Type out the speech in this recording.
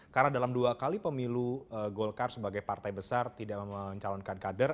karena dalam dua kali pemilu golkar sebagai partai besar tidak mencalonkan kader